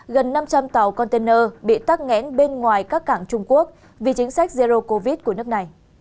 gần năm trăm linh tàu container bị tắc nghẽn bên ngoài các cảng trung quốc vì chính sách zero covid của nước này